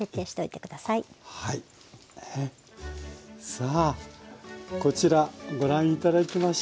さあこちらご覧頂きましょう。